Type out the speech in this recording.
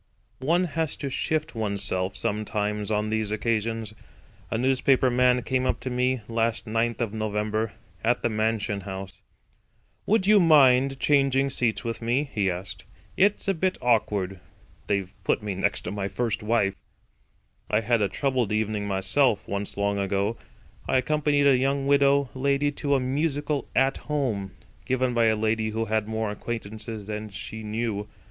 One has to shift oneself, sometimes, on these occasions. A newspaper man came up to me last Ninth of November at the Mansion House. "Would you mind changing seats with me?" he asked. "It's a bit awkward. They've put me next to my first wife." I had a troubled evening myself once long ago. I accompanied a young widow lady to a musical At Home, given by a lady who had more acquaintances than she knew.